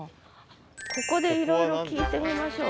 ここでいろいろ聞いてみましょう。